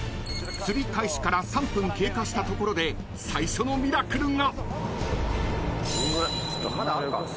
［釣り開始から３分経過したところで最初のミラクルが］